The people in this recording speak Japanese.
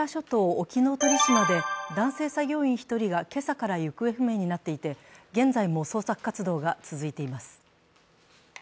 沖ノ鳥島で男性作業員１人が今朝から行方不明になっていて、現在も捜索活動が続いています。